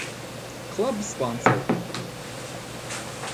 Club sponsor